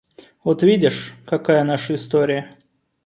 Вот видишь, какая наша история!